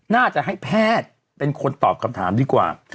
น่าจะให้แพทย์เป็นคนตอบคำถามดีกว่า